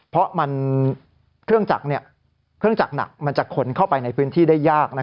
เพราะเครื่องจักรหนักจะขนเข้าไปในพื้นที่ได้ยาก